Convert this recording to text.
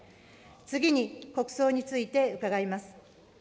次に、国葬について伺います。